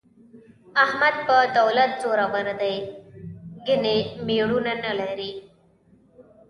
احمد په دولت زورو دی، ګني مېړونه نه لري.